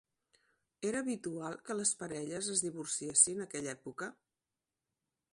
Era habitual que les parelles es divorciessin a aquella època?